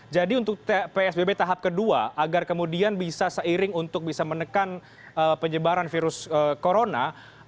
nah kalau kita sbb tahap kedua agar kemudian bisa seiring untuk bisa menekan penyebaran virus corona